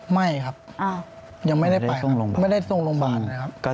ไม่ครับยังไม่ได้ไปไม่ได้ส่งโรงพยาบาลนะครับ